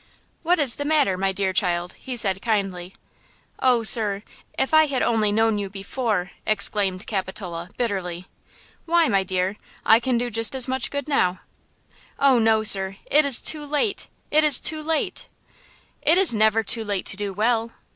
"What is the matter, my dear child?" he said, kindly. "Oh, sir, if I had only know you before!" exclaimed Capitola, bitterly. "Why, my dear?" I can do just as much good now." "Oh, no, sir; it is too late; it is too late!" "It is never to late to do well."